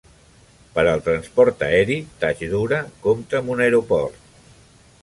Per al transport aeri, Tajdoura compta amb un aeroport.